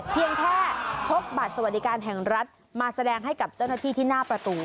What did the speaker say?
เพียงแค่พกบัตรสวัสดิการแห่งรัฐมาแสดงให้กับเจ้าหน้าที่ที่หน้าประตู